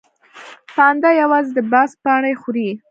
پاندا یوازې د بانس پاڼې خوري